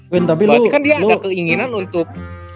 berarti kan dia ada keinginan untuk